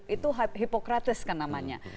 itu hipokrates kan namanya